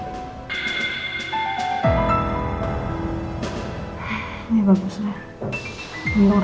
ya bagus lah